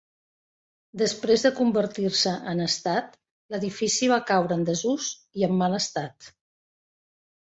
Després de convertir-se en estat l'edifici va caure en desús i en mal estat.